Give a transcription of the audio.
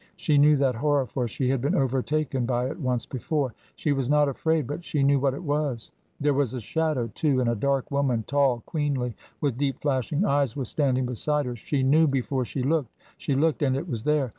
She knew that horror, for she had been overtaken by it once before. She was not afraid, but she knew what it was. There was a shadow, too, and a dark woman, tall, queenly, with deep flashing eyes was standing beside her. She knew, before she looked; she looked, and it was there.